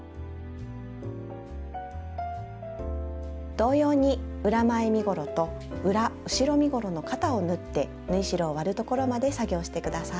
同様に裏前身ごろと裏後ろ身ごろの肩を縫って縫い代を割るところまで作業して下さい。